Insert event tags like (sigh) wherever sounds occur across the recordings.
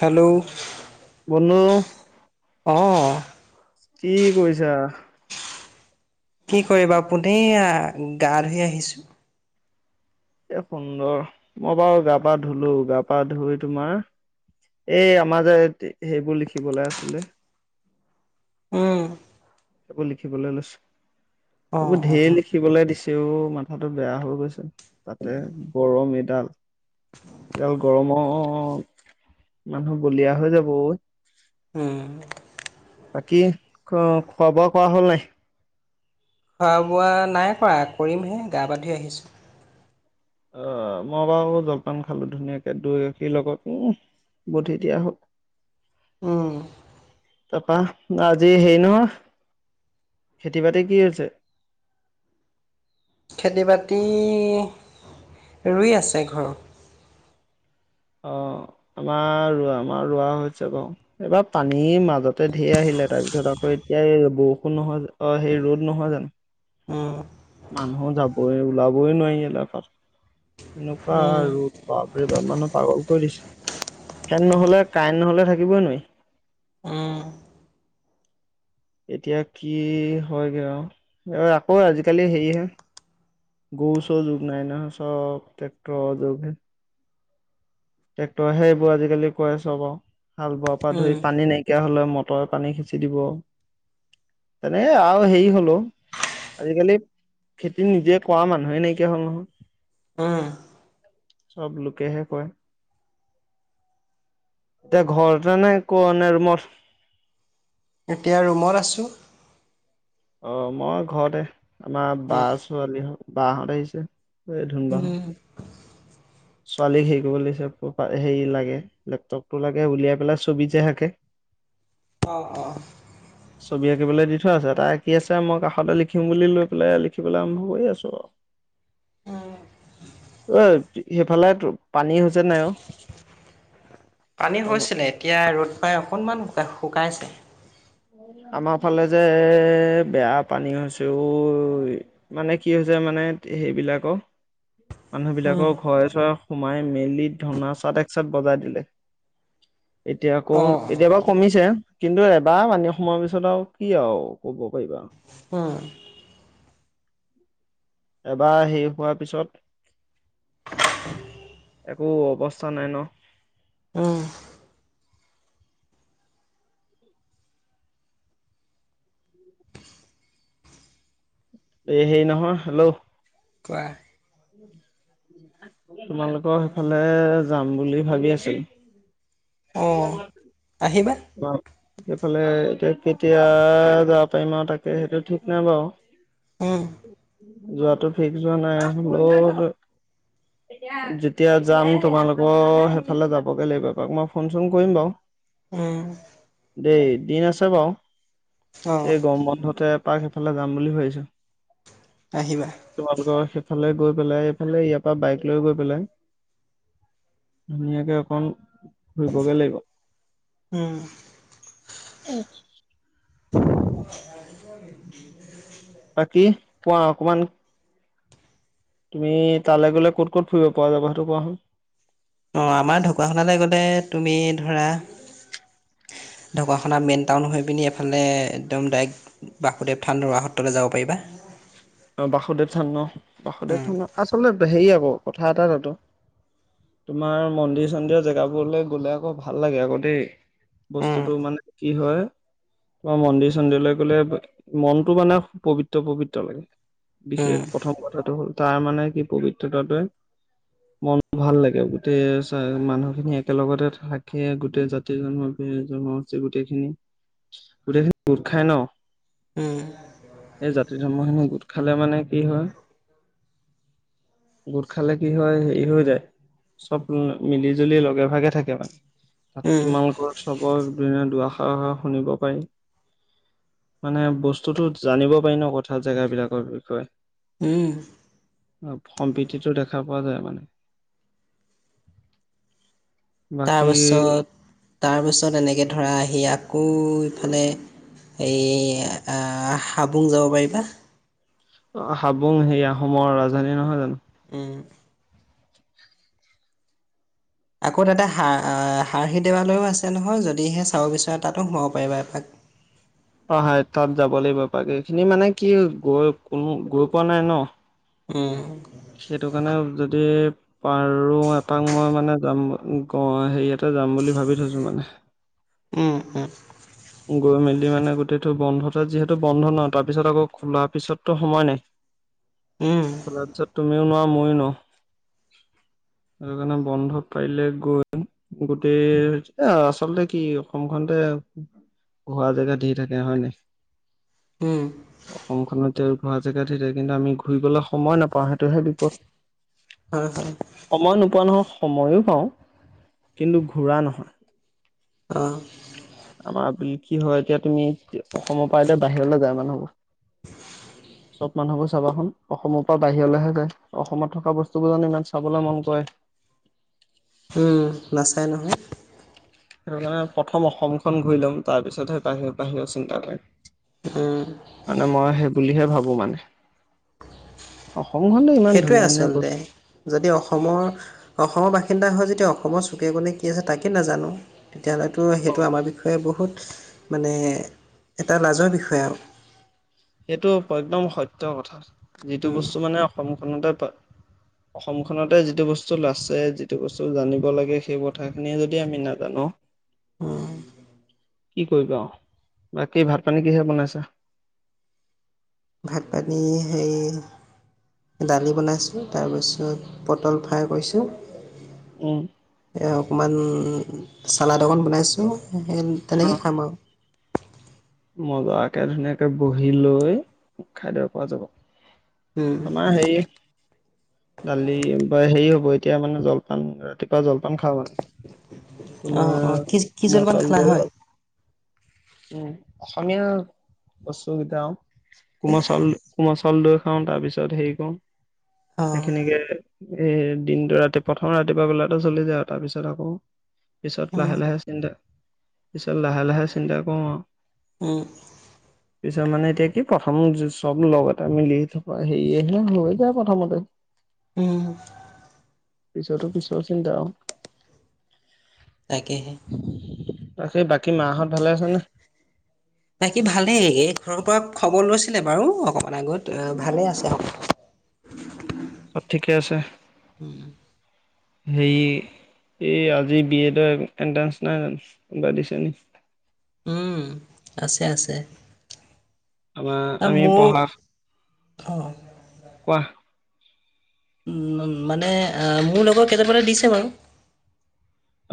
Hello বনো অ কি কৰিছা? কি কৰিবা পোনে আহ গা ধুই আহিছো। এ সুন্দৰ মই বাৰু গা পা ধুলো গা পা ধুই তোমাৰ এই আমাৰ যে সেইবোৰ লিখিবলৈ আছিলে উম এইবোৰ লিখিবলে অ লৈছো এইবোৰ অ ঢেৰ অ লিখিবলে দিছে। তেও মাথাটো বেয়া হৈ গৈছে তাতে গৰম এডাল এডাল গৰমত মানুহ বলিয়া হৈ যাব অ উম বাকী খ খোৱা বোৱা কৰা হল নাই খোৱা বোৱা নাই কৰা কৰিমহে গা পা ধুই আহিছোঁ অ মই বাৰু জলপান খালো ধুনীয়াকে দৈ গাখীৰ লগত উহ বধি দিয়া হ'ল উম তাপা আজি হেৰি নহয় খেতি বাতি কি হৈছে? (inaudible) খেতি বাতি ৰুই আছে ঘৰত অ আমাৰ ৰোৱা আমাৰ ৰোৱা হৈছে বাৰু এইবাৰ পানীৰ মাজত ত ঢেৰ আহিলে তাৰ পিছত আকৌ এতিয়া এই বৰষুণ নহয় অ সেই ৰ'দ নহয় জানো মানুহ যাবই ওলাবই নোৱাৰি ইয়াতে পাক এনেকুৱা ৰ'দ বাপ ৰে বাপ মানত (unintelligible) ফেন নহলে কাৰেণ্ নহলে থাকিবই নোৱাৰি (inaudible) উম এতিয়া কি হয়গৈ আৰু আকৌ আজিকালি হেৰিহে গৰু চৰু যুগ নাই নহ চব ট্ৰেক্টৰৰ যুগে টেক্টৰ সেইবোৰ আজিকালি কৰে চব আৰু হাল বোৱাৰ পৰা উম ধৰি পানী নাইকিয়া হলে মটৰ পানী সিচি দিব তেনেকে আৰু হেৰি হলো আজিকালি খেতি নিজে কৰা মানুহে নাইকিয়া হল নহয় উমহ চব লোকেহে কয় এতিয়া ঘৰতে নে ক নে ৰুমত এতিয়া ৰুমত আছো অ মই ঘৰতে আমাৰ বা ছোৱালী বাহঁত আহিছে ধুনবা হত উম ছোৱালীক হেৰি কৰিবলে দিছো হেৰি লাগে লেপটপটো লাগে উলিয়াই পেলাই ছবি যে আকে (inaudible) অ অ ছবি আঁকিবলৈ দি থৈ আছে তাই আঁকি আছে মই কাষতে লিখিম বুলি লৈ পেলাই লিখিবলৈ আৰম্ভ কৰি আছো আৰু। (inaudible) অ সেইফালে পানী হৈছে নাই অ পানী হৈছিলে এতিয়া ৰ'দ পাই অকনমান শুকাই শুকাইছে আমাৰ ফালে যে বেয়া পানী হৈছে ঐ মানে কি হৈছ ছে মানে সেইবিলাকক মানুহবিলাকৰ ঘৰে চৰে সোমাই মেলি ধনা চাট এক চাট বজাই দিলে এতিয়া আকৌ অ অ এতিয়া বা কমিছে কিন্তু এবাৰ পানী সোমোৱাৰ পিছত আৰু কি আৰু ক'ব পাৰিবা উম এবাৰ শেষ হোৱাৰ পিছত একো অৱস্থা নাই ন। উম এই সেই নহয় হেল্ল' কোৱা তোমালোকৰ সেইফালে যাম বুলি ভাবি আছিলো অঁ আহিবা সেইফালে এতিয়া কেতিয়া যাব পাৰিম আৰু তাকে সেইটো ঠিক নাই উম বাৱ যোৱাটো ফিক্স যোৱা নাই হলেও যেতিয়া যাম তোমালোকৰ সেইফালে যাবগে লাগিব মই ফোন চোন কৰিম বাঅ উম দেই দিন আছে বাৰু অ এই গম বন্ধতে এপাক সেইফালে যাম বুলি ভাবিছোঁ আহিবা তোমালোকৰ সেইফালে গৈ পেলাই এইফালে ইয়াৰ পৰা বাইক লৈ গৈ পেলাই ধুনীয়াকে অকণ ফুৰিবগে লাগিব উম উম বাকী কোৱা অকমান তুমি তালৈ গ'লে ক'ত ক'ত ফুৰিব পৰা যাব সেইটো কোৱাচোন অঁ আমাৰ ঢকুৱাখানালে গ'লে তুমি ধৰা (unintelligible) ঢকুৱাখনা মেইন টাউন হৈ পিনি এইফালে একদম ডাইৰেক্ট বাসুদেৱ থান ৰৱা সত্ৰলে যাব পাৰিবা অ বাসুদেৱ থান ন বাসুদেৱ উম থান আচলতে হেৰি আকৌ কথা এটা তাতো তোমাৰ মন্দিৰ চন্দিৰ জেগাবোৰলে গলে আকৌ ভাল লাগে আকৌ দেই বস্তুটো উম মানে কি হয়? তোমাৰ মন্দিৰ চন্দিৰলৈ গলে মনতটো মানে পবিত্ৰ পবিত্ৰ লাগে। বিশেষ উম প্ৰথম কথাটো হ'ল তাৰ মানে কি পবিত্ৰতাটোৱে মন ভাল লাগে গোটেই চা মানুহখিনি একেলগতে থাকিয়ে গোটেই জাতি জনগো- জনগোষ্ঠী গোটেইখিনি গোটেইখিনি গোটখাই ন এই জাতি ধৰ্মখিনি গোট খালে মানে কি হয় গোট খালে কি হয় হেৰি হৈ যায় চব মিলি- জুলি লগে ভাগে থাকে মানে। তাত উম তোমালোকৰ উৎসৱৰ দিনা দুৱাষাৰ শুনিব পাৰি মানে বস্তুতো জানিব পাৰি ন কথা জেগাবিলাকৰ বিষয়ে। উম সম ম্প্ৰীতিতো দেখা পোৱা যায় মানে। বাকী তাৰপিছত এনেকে ধৰা আহি আকৌ ইফালে এই হাবুং যাব পাৰিবা। অ হাবুং হে আহোমৰ ৰাজধানী নহয় জানো। উম আকৌ তাতে হা হাৰহি দেৱালৈও আছে নহয় যদিহে চাব বিচাৰে তাতো সোমাব পাৰিবা এপাক। (inaudible) অ হায়ত তাত যাব লাগিব এপাক। এইখিনি মানে কি গৈ কোনো গৈ পোৱা নাই ন। উম সেইটো কাৰণে যদি পাৰো এপাক মই মানে যাম গ হেৰিয়তে যাম বুলি ভাবি থৈছোঁ মানে। উম উম গৈ মেলি মানে গোটেইটো বন্ধতে যিহেতু বন্ধ ন তাৰ পিছত আকৌ খোলাৰ পিছতটো সময় নাই। উম খোলা পিছত তুমিও নোৱাও মইয়ো নোৱাও। সেইকাৰণে বন্ধ পাৰিলে গৈ আহিম গোটেই এ আচলতে কি অসমখনতে। ঘূৰা জেগা ধেৰ থাকে হয় নাই। উম অসমখনত আৰু ঘূৰা জেগাত ধেই কিন্তু আমি ঘূৰি গলে সময় নাপাওঁ সেইটোহে বিপদ হয়-হয় সময় নোপোৱা নহয় সময়ো পাওঁ কিন্তু ঘূৰা নহয় আহ আমাৰ কি হয় এতিয়া তুমি অসমৰ পৰা এতিয়া বাহিৰলৈ যায় মানুহবোৰ। (inaudible) চব মানুহবোৰ চাবা চোন অসমৰ পৰা বাহিৰলৈহে যায় অসমত থকা বস্তুবোৰ জানো ইমান চাবলৈ মন কৰে। (inaudible) উম নাচায় নহয়। সেইটো কাৰণে প্ৰথম অসমখন ঘূৰি লম তাৰ পিছতহে বাহিৰ বাহিৰৰ চিন্তা কৰিম। উম, মানে মই সেই বুলিহে ভাবো মানে অসমখনতো ইমান সেইটোৱেই ধুনীয়া ধুনীয়া আচলতে বস্তু যদি অসমৰ অসমৰ বাস- সিন্দা হয় যেতিয়া অসমৰ চোকে-কোণে কি আছে তাকে নাজানো তেতিয়াহলেতো অ সেইটো আমাৰ বিষয়ে বহুত মানে এটা লাজৰ বিষয়ে আও। সেইটো একদম সত্য কথা যিটো উম, বস্তু মানে অসমখনতে পায়। অসমখনতে যিটো বস্তু আছে যিটো বস্তু জানিব লাগে সেই কথাখিনিয়ে যদি আমি নাজানো হুম কি কৰিবা আও। বাকী ভাত পানী কিহে বনাইছা? ভাত পানী সেই দালি বনাইছোঁ তাৰপিছত পটল ফ্ৰাই কৰিছোঁ। উম এ অকণমান চালাড অকণ বনাইছোঁ সেই তেনেকৈ খাম আও। মজাকে ধুনীয়াকে বহি লৈ খাই দিব পৰা যাব। উম, আমাৰ হেৰি দালি বা হেৰি হ'ব এতিয়া মানে জলপান ৰাতিপুৱা জলপান খাওঁ মানে অঁ অঁ কি কি তোমাৰ-তোমাৰ জলপান চাউল, খালা দৈ হয় উম অসমীয়া বস্তুকেইটা আৰু কোমল চাউল কোমল চাউল দৈ খাওঁ তাৰপিছত হেৰি কৰোঁ অঁ সেইখিনিকে এ দিনটো ৰাতি প্ৰথম ৰাতিপুৱা বেলাটো চলি যায় তাৰপিছত আকৌ পিছত উম লাহে-লাহে চিন্তা পিছত লাহে-লাহে চিন্তা কৰোঁ আৰু উম। পিছত মানে এতিয়া কি প্ৰথম চব লগতে মিলি থকা সেয়েহে হৈ যায় প্ৰথমতে। (inaudible) উম পিছতো পিছৰ চিন্তা আৰু তাকেহে। তাকে বাকী মাহঁত ভালে আছে নে? বাকী ভালে একে ঘৰৰ পৰা। খবৰ লৈছিলে বাৰু অকণমান আগত ভালে আছে সকলোৱে। চব ঠিকে আছে উম। হেৰি। এই আজি বিএডৰ এন্ট্ৰেঞ্চ নাই জানো কোনোবা দিছে নি। উম আছে-আছে। আমাৰ আমি পঢ়া। অঁ কোৱা। উম, মানে মোৰ লগতকেইটামানে দিছে বাৰু।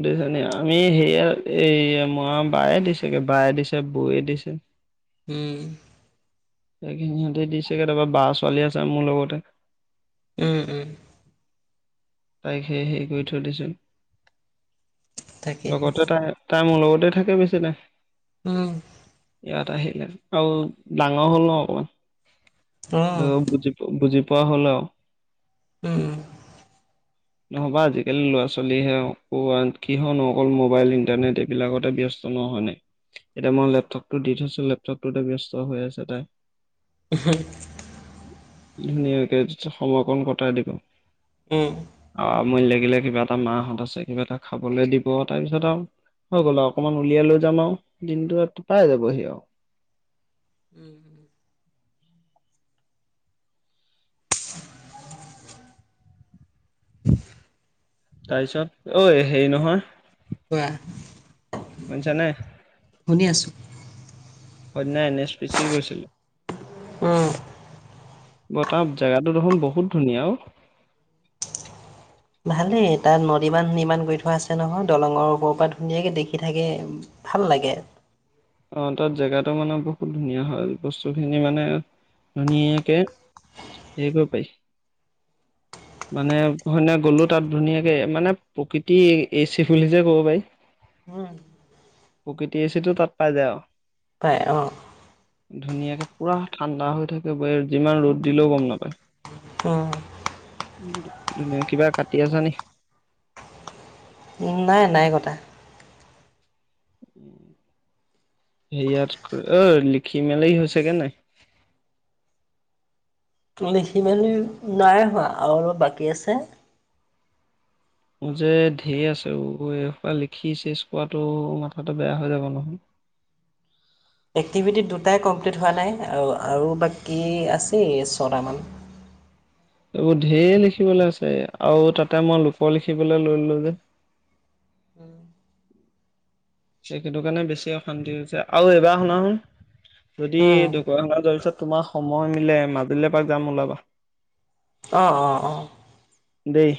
সুদিছে নি আমি সেয়া এই ম বায়ে দিছে গে বায়ে দিছে বৌৱে দিছে। উম। সিনি সিহঁতে দিছেগে তাৰাবা বা ছোৱালী আছে মোৰ লগতে। উম উম তাইক সেয়ে সেই কৰি থৈ দিছিল তাকেহে লগতে তাই তাই ম লগ লগত তে থাকে বেছি ন। উম ইয়াত আহিলে আৰু ডাঙৰ হ'ল ন অ অকমান বুজি বুজি পোৱা হ'লেও। উম নহবা আজিকালি ল'ৰা ছোৱালীহে কিহৰ ন অকল মোবাইল ইন্টাৰনেট এইবিলাকতে স নহ ন এতিয়া মই লেপটপ দি থৈছো লপ তপটোতে ব্যস্ত হৈ আছে তাই উ ধুনীয়াকে সময় কণ কটাই দিব। উম। মই লাগিলে কিবা এটা মাহঁত আছে কিবা এটা খাবলৈ দিব তাৰপিছত আৰু। হৈ গল আৰু অকমান উলিয়াই লৈ যাম আৰু দিনটো পাই যাবহি আৰু উম উম। তাৰপিছত ঐ হেৰি নহয়। কোৱা। শুনিছা নে? শুনি আছোঁ। সই এন এছ পি চি গৈছিলো। উম। বত জোগাটো দেখোন বহুত ধুনীয়া অ ভালেই তাত নদী মানুন ইমান গৈ থোৱা আছে নহয় দলংৰ ওপৰৰ পৰা ধুনীয়াকে দেখি থাকে ভাল লাগে। লাগে অ তাত জেগাতটো মানে বহুত ধুনীয়া হয় বস্তু খিনি মানে ধুনীয়াকে। এইবো পাই। মানে সন গ'লো তাত ধুনীয়াকে মানে প্ৰকৃতি এই চিফুলি যে ক'ব পাৰি উম। প্ৰকৃতি এ চি তাত পাই যায় আৰু পায় অঁ ধুনীয়াকে পুৰা ঠাণ্ডা হৈ থাকে ব যিমান ৰ'দ দিলেও গম নাপায়। উম। ধ কিবা কাটি আছা নে নাই নাই কটা উম সেয়াত অ লিখি মেলই হৈছে গে নাই? লিখি মেলি নাই হোৱা আৰু অলপ বাকী আছে। যে ঢেৰ আছে এ খ লিখি চেজ কৰাটো মাথাতে বেয়া হৈ যাব নহয়। (inaudible) এক্টিভিটি দুটাই কমপ্লিট হোৱা নাই আৰু আৰু বাকী আছেই ছটামান (inaudible) এইবোৰ ধঢেৰ লিখিবলৈ আছে আৰু তাতে মই লোকৰ লিখিবলৈ লৈলো যে। (inaudible) সেইটো কাৰণে বেছি অশান্তি হৈছে আৰু এইবাৰ শুনাচোন। যদি উম, দুক যোৱাৰ পিছত তোমাৰ সময় মিলে মাজুলীলৈ এপাক যাম ওলাবা। অহ অ অ দেই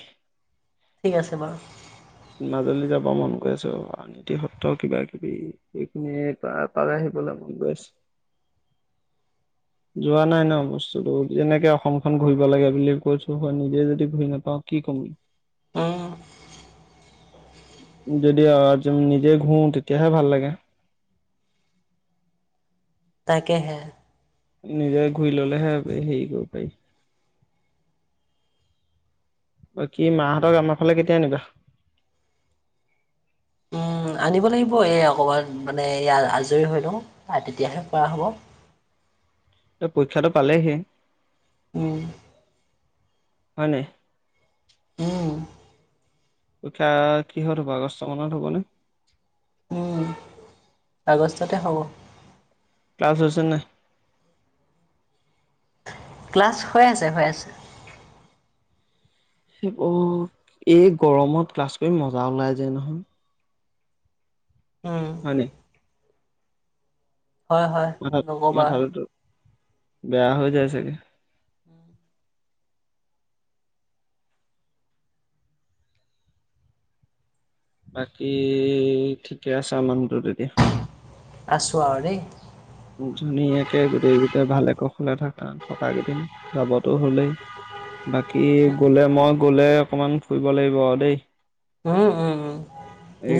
ঠিক আছে বাৰু। মাজুলী যাব মন গৈ আছে, অ আটিসত্ৰ কিবা কিবি সেখিনি তাৰে আহিব। বলাবি বছ। যোৱা নাই ন বস্তুটো, যেনেকে অসমখন ঘূৰিব লাগে বুলি কৈছো হয় নিজে যদি ঘূৰি নাপাওঁ কি কম? অ। যদি আজ নিজে ঘূ তেতিয়াহে ভাল লাগে। (inaudible) তাকে হে। নিজে ঘূৰি ললে হে হেৰি কৰিব পাৰি। বাকী মাহঁতক আমাৰ ফালে কেতিয়া আনিবা উম, আনিব লাগিব এই অকমান মানে ইয়াত আজৰি হৈ লওঁ তেতিয়াহে পৰা হ'ব। এ পৰীক্ষাটো পালেহি। উম হয় নাই। উম পৰীক্ষা কিহত হ'ব আগষ্ট মানত হ'ব নে। উম আগষ্টতে হ'ব। ক্লাছ হৈছে নাই। ক্লাছ হৈ আছে হৈ আছে। সেই অ এই গৰমত ক্লাছ কৰি মজা ওলাই যায় নহয়। উম হয় নি? হয়, হয়, নক'বা মাথাতো বেয়া হৈ যায় চাগে। (inaudible) বাকী ঠিকে আছা মানুহটো তেতিয়া। আছো আৰু দেই। ধুনীয়াকে গোটেইকেইট ভালে কুশলে থাকা থকা কেইদিন যাবলেতো হ'লেই। বাকী গলে মই গলে অকনমান ফুৰিব লাগিব আৰু দেই। উম উম উম এই নিশ্চ